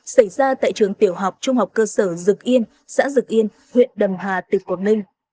xảy ra tại trường tiểu học trung học cơ sở dực yên xã dực yên huyện đầm hà tỉnh quảng ninh